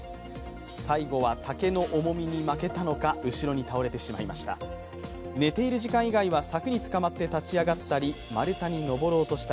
最後は竹の重みに負けたのか後ろに倒れてしまいました。